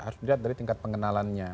harus dilihat dari tingkat pengenalannya